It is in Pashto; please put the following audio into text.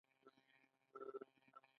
غوماشې د انسان وجود ته حساس وي.